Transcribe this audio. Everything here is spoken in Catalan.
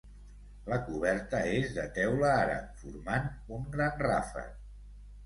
La coberta és de teula àrab formant un gran ràfec.